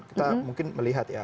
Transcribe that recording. kita mungkin melihat ya